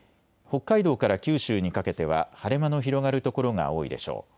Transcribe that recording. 北海道から九州にかけては晴れ間の広がる所が多いでしょう。